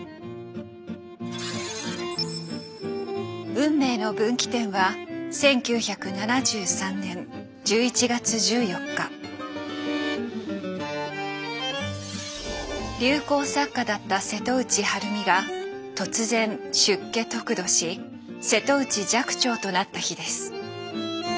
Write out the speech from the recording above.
運命の分岐点は流行作家だった瀬戸内晴美が突然出家得度し瀬戸内寂聴となった日です。